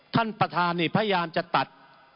ท่านประธานนี่พยายามจะตัด